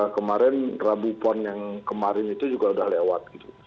kemarin rabu pon yang kemarin itu juga sudah lewat gitu